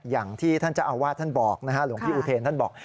อย่างที่ท่านเจ้าอาวาสท่านบอกนะฮะหลวงพี่อุเทนท่านบอก